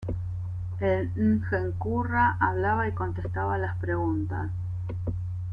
El ngen-kurra hablaba y contestaba las preguntas.